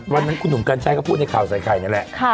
วันนั้นคุณหนุ่มกัญชัยก็พูดในข่าวใส่ไข่นี่แหละ